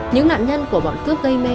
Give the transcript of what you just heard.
những nạn nhân của bọn cướp gây mê